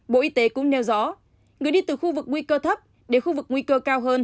bộ y tế cũng nêu rõ người đi từ khu vực nguy cơ thấp đến khu vực nguy cơ cao hơn